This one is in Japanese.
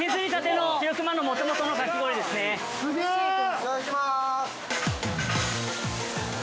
◆いただきます！